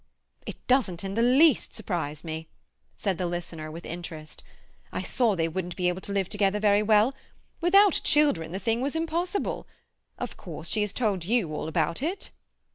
"It doesn't in the least surprise me," said the listener, with interest. "I saw they wouldn't be able to live together very well. Without children the thing was impossible. Of course she has told you all about it?"